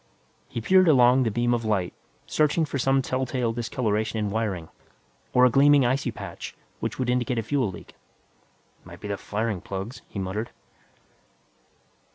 He peered along the beam of light, searching for some telltale discoloration in wiring, or a gleaming icy patch which would indicate a fuel leak. "Might be the firing plugs," he muttered.